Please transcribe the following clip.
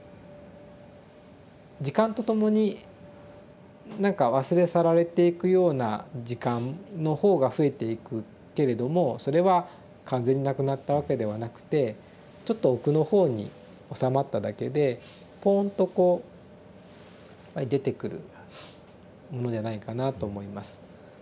時間とともに何か忘れ去られていくような時間の方が増えていくけれどもそれは完全になくなったわけではなくてちょっと奥の方におさまっただけでぽんとこう出てくるものじゃないかなと思います。